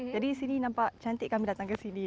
jadi di sini nampak cantik kami datang ke sini